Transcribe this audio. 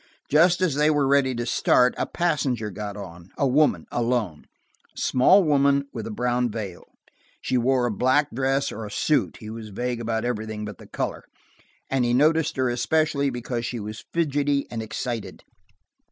Just as they were ready to start, a passenger got on, a woman, alone: a small woman with a brown veil. She wore a black dress or a suit–he was vague about everything but the color, and he noticed her especially because she was fidgety and excited.